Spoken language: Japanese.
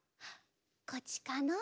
こっちかの？